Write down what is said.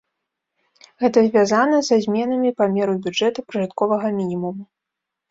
Гэта звязана са зменамі памеру бюджэта пражытковага мінімуму.